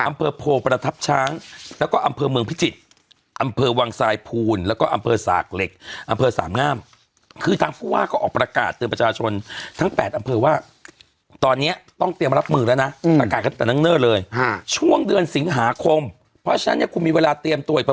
อำเภอโภร์พระทัพช้างแล้วก็อำเภอเมืองพิจิตร